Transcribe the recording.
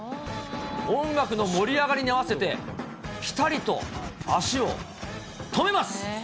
音楽の盛り上がりに合わせて、ぴたりと足を止めます。